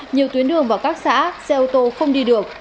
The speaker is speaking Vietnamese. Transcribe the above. nhiều tuyến đường và các xã xe ô tô không đi được